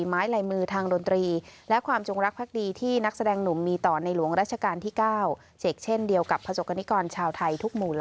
โปรดติดตามตอนต่อไป